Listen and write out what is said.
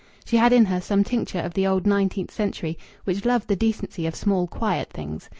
She had in her some tincture of the old nineteenth century, which loved the decency of small, quiet things.